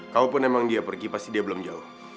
kalaupun memang dia pergi pasti dia belum jauh